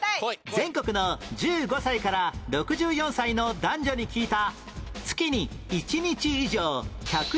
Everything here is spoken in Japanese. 全国の１５歳から６４歳の男女に聞いた